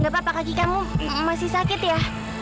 gak apa apa kaki kamu masih sakit ya